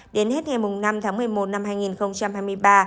đến hết ngày năm tháng một mươi một năm hai nghìn hai mươi ba